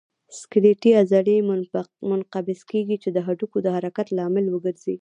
سکلیټي عضلې منقبض کېږي چې د هډوکو د حرکت لامل وګرځي.